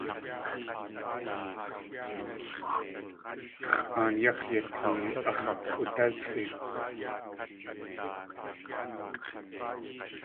X̲ʼaan yáx̲ yatee ax̲ kʼoodásʼi.